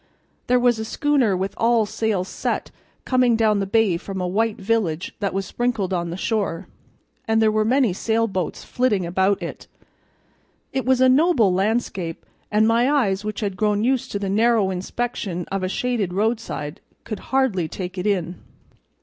There was a schooner with all sails set coming down the bay from a white village that was sprinkled on the shore, and there were many sailboats flitting about it. It was a noble landscape, and my eyes, which had grown used to the narrow inspection of a shaded roadside, could hardly take it in.